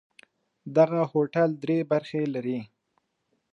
دغه هوټل درې برخې لري.